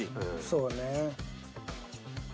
そうね。